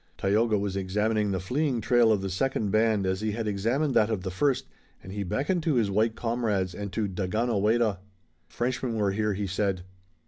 Tayoga was examining the fleeing trail of the second band as he had examined that of the first, and he beckoned to his white comrades and to Daganoweda. "Frenchmen were here," he said.